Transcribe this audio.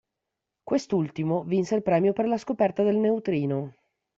Quest'ultimo vinse il premio per la scoperta del neutrino.